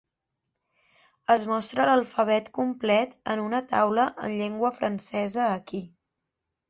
Es mostra l'alfabet complet en una taula en llengua francesa aquí.